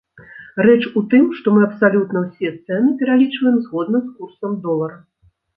Рэч у тым, што мы абсалютна ўсе цэны пералічваем згодна з курсам долара.